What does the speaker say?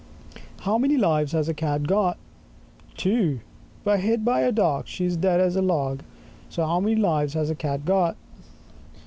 15 How many Lives has the Cat got? TWO! But, bit by a dog, She is dead as a log. So how many Lives has the Cat got?